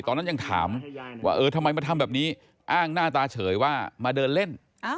ตอนนั้นยังถามว่าเออทำไมมาทำแบบนี้อ้างหน้าตาเฉยว่ามาเดินเล่น